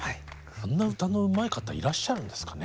あんな歌のうまい方いらっしゃるんですかね。